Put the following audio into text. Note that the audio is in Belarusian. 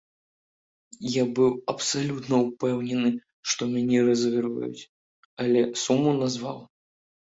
Я быў абсалютна ўпэўнены, што мяне разыгрываюць, але суму назваў.